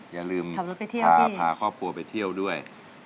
อย่าลืมพาครอบครัวไปเที่ยวด้วย